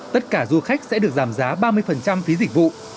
tất cả du khách sẽ được giảm giá ba mươi phí dịch vụ